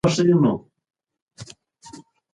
طبیعت د هر انسان لپاره بېلابېل ښکلي رنګونه لري.